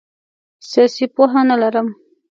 سیاسي پوهه نه لرم.